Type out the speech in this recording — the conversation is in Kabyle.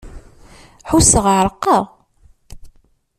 Ḥusseɣ εerqeɣ.